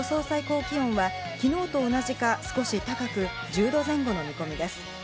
最高気温は、きのうと同じか少し高く１０度前後の見込みです。